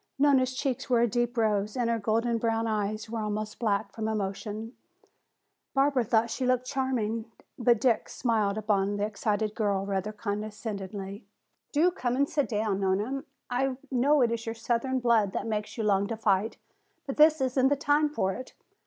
Nona's cheeks were a deep rose and her golden brown eyes were almost black from emotion. Barbara thought she looked charming. But Dick smiled upon the excited girl rather condescendingly. "Do come and sit down, please, Nona. I know it is your southern blood that makes you long to fight. But this isn't the time for it.